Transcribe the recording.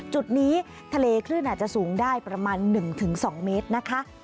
จุดนี้ทะเลคลื่นอาจจะสูงได้ประมาณ๑๒เมตรนะคะ